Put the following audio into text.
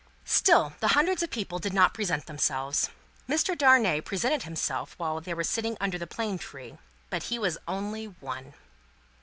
Still, the Hundreds of people did not present themselves. Mr. Darnay presented himself while they were sitting under the plane tree, but he was only One.